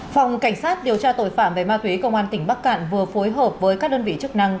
phòng cảnh sát điều tra tội phạm về ma túy công an tỉnh bắc cạn vừa phối hợp với các đơn vị chức năng